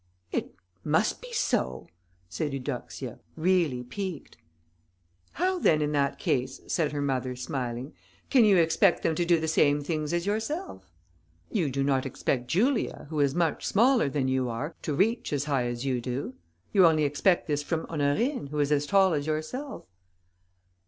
"It must be so," said Eudoxia, really piqued. "How then, in that case," said her mother, smiling, "can you expect them to do the same things as yourself? You do not expect Julia, who is much smaller than you are, to reach as high as you do; you only expect this from Honorine, who is as tall as yourself."